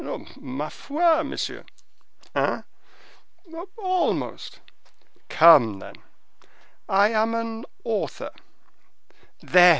"Ma foi! monsieur." "Hein?" "Almost." "Come, then!" "I am an author." "There!"